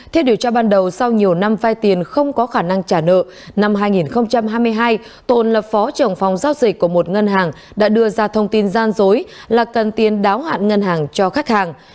theo điều tra ban đầu sau nhiều năm vai tiền không có khả năng trả nợ năm hai nghìn hai mươi hai tồn là phó trưởng phòng giao dịch của một ngân hàng đã đưa ra thông tin gian dối là cần tiền đáo hạn ngân hàng cho khách hàng